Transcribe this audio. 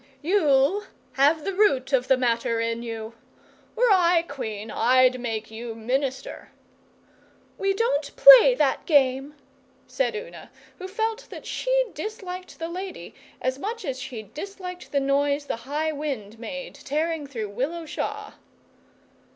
'You have the root of the matter in you. Were I Queen, I'd make you Minister.' 'We don't play that game,' said Una, who felt that she disliked the lady as much as she disliked the noise the high wind made tearing through Willow Shaw.